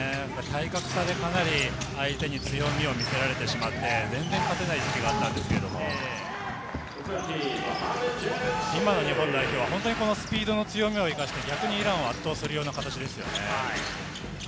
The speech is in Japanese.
体格差でかなり相手に強みを見せられてしまって全然勝てない時期があったんですけれども、今の日本代表はスピードの強みを生かしてイランを圧倒するような形ですよね。